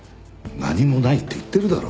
何もないって言ってるだろ。